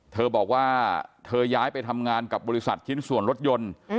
เธอบอกว่าเธอย้ายไปทำงานกับบริษัทชิ้นส่วนรถยนต์